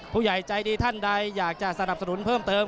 ผู้ใหญ่ใจดีท่านใดอยากจะสนับสนุนเพิ่มเติม